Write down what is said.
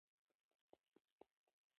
رضا پهلوي د سولهییز بدلون ژمن دی.